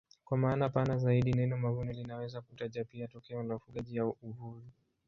Kwa maana pana zaidi neno mavuno linaweza kutaja pia tokeo la ufugaji au uvuvi.